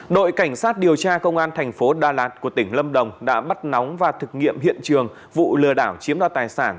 đội cảnh sát điều tra công an tp đà lạt của tỉnh lâm đồng đã bắt nóng và thực nghiệm hiện trường vụ lừa đảo chiếm đo tài sản